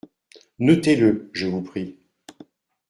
Notez-le ! je vous prie.